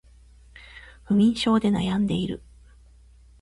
不眠症で悩んでいる